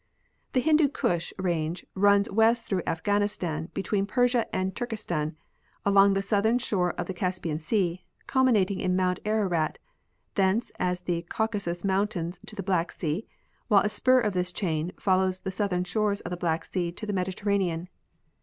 The Hindu Kush range runs west through Afghanistan, be tween Persia and Turkestan, along the southern shore of the Caspian sea, culminating in mount Ararat, thence as the Cau casus mountains to the Black sea, while a spur of this chain follows the southern shores of the Black sea to the Mediterra nean.